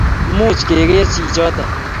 Much kegeer chichoto